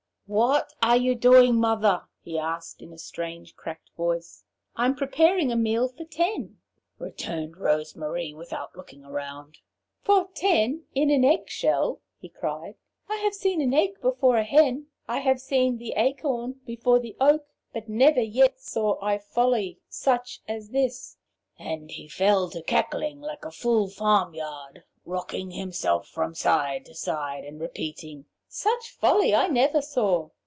'What are you doing, Mother?' he asked in a strange cracked voice. 'I am preparing a meal for ten,' returned Rose Marie, without looking round. 'For ten in an eggshell?' he cried. 'I have seen an egg before a hen; I have seen the acorn before the oak; but never yet saw I folly such as this!' And he fell to cackling like a full farmyard, rocking himself from side to side, and repeating, 'Such folly I never saw!'